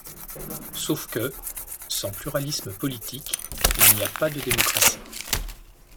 Sauf que, sans pluralisme politique, il n’y a pas de démocratie.